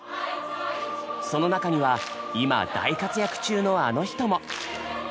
その中には今大活躍中のあの人も！